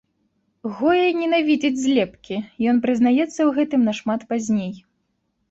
Гоя ненавідзіць злепкі, ён прызнаецца ў гэтым нашмат пазней.